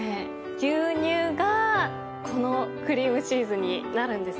牛乳がこのクリームチーズになるんですね。